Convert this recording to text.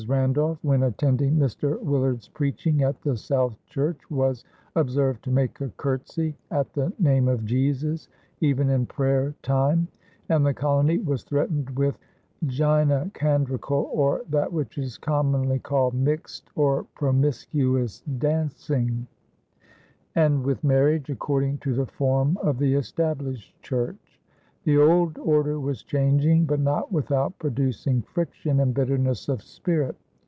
Randolph, when attending Mr. Willard's preaching at the South Church, was observed "to make a curtsey" at the name of Jesus "even in prayer time"; and the colony was threatened with "gynecandrical or that which is commonly called Mixt or Promiscuous Dancing," and with marriage according to the form of the Established Church. The old order was changing, but not without producing friction and bitterness of spirit.